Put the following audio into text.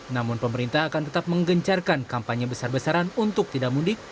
namun pemerintah akan tetap menggencarkan kampanye besar besaran untuk tidak mudik